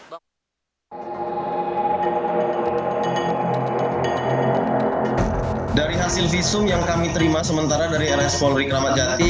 dari hasil visum yang kami terima sementara dari rs polri kramat jati